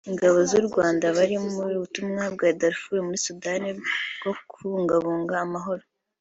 Ingabo z’u Rwanda bari mu butumwa i Darfur muri Sudani bwo kubungabunga amahoro